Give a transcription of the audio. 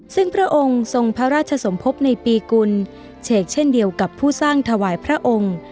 ซึ่งพระองค์ทรงพระราชสมภพในปีกุลเฉกเช่นเดียวกับผู้สร้างถวายพระองค์